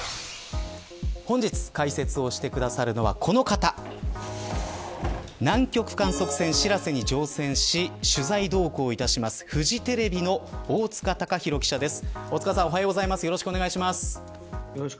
本日解説をしてくださるのはこの方南極観測船しらせに乗船し取材同行いたしますフジテレビの大塚隆広記者です。